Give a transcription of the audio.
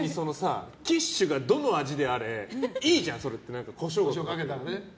キッシュがどの味であれいいじゃん、それってコショウをかけたら。